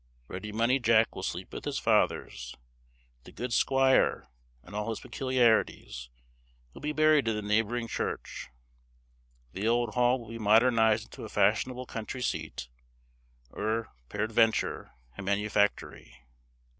Ready Money Jack will sleep with his fathers: the good squire, and all his peculiarities, will be buried in the neighbouring church. The old Hall will be modernised into a fashionable country seat, or, peradventure, a manufactory.